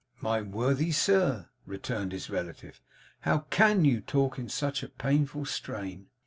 'My worthy sir,' returned his relative, 'how CAN you talk in such a painful strain!